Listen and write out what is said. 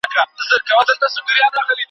ایا تاسي په خپل موبایل کې واټس اپ لرئ؟